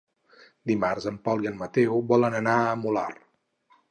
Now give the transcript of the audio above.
Dimarts en Pol i en Mateu volen anar al Molar.